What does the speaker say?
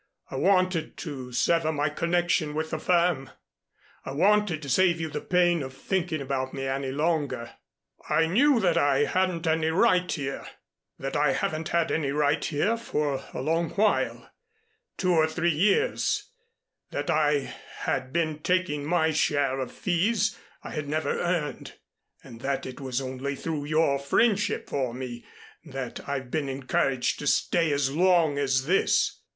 I wanted to sever my connection with the firm. I wanted to save you the pain of thinking about me any longer. I knew I hadn't any right here, that I haven't had any right here for a long while two or three years, that I had been taking my share of fees I had never earned, and that it was only through your friendship for me that I've been encouraged to stay as long as this.